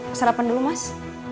masa apaan dulu mas